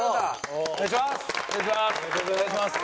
お願いします。